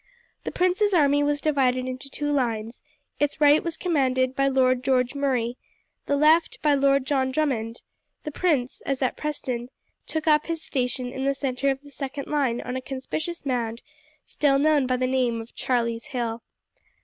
The prince's army was divided into two lines: its right was commanded by Lord George Murray, the left by Lord John Drummond; the prince, as at Preston, took up his station in the centre of the second line on a conspicuous mound, still known by the name of Charlie's Hill.